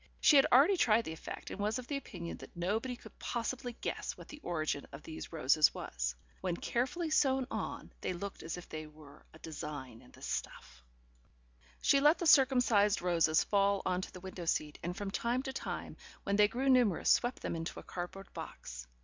She had already tried the effect, and was of the opinion that nobody could possibly guess what the origin of these roses was. When carefully sewn on they looked as if they were a design in the stuff. She let the circumcised roses fall on to the window seat, and from time to time, when they grew numerous, swept them into a cardboard box.